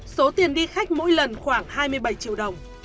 số tiền đi khách mỗi lần khoảng hai mươi bảy triệu đồng